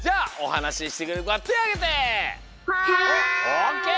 オッケー！